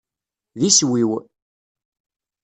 D iswi-w.